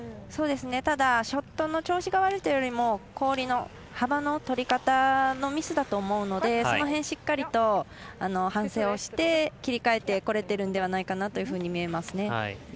ただ、ショットの調子が悪いというよりも氷の幅の取り方のミスだと思うのでその辺、しっかりと反省をして切り替えてこれているのではないかなというふうに見えますね。